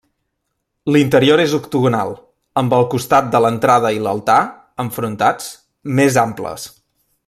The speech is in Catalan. L'interior és octagonal, amb el costat de l'entrada i l'altar, enfrontats, més amples.